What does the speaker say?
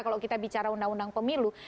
kalau kita bicara undang undang pemilu